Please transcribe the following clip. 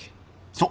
そう。